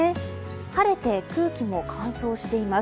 晴れて空気も乾燥しています。